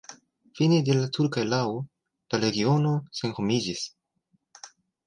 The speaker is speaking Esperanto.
Fine de la turka erao la regiono senhomiĝis.